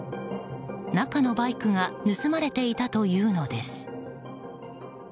中のバイクが盗まれていたというのです。